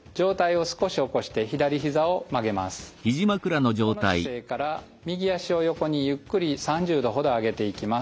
この姿勢から右脚を横にゆっくり３０度ほど上げていきます。